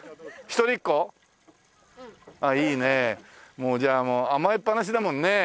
もうじゃあ甘えっぱなしだもんね。